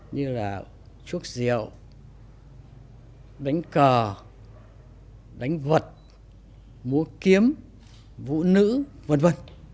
như là chuốc rượu đánh cờ đánh vật mua kiếm vụ nữ v v